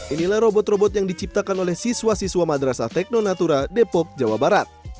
inilah robot robot yang diciptakan oleh siswa siswa madrasah tekno natura depok jawa barat